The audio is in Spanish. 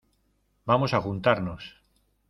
vamos a juntarnos.